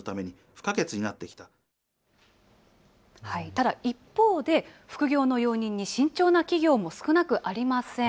ただ一方で、副業の容認に慎重な企業も少なくありません。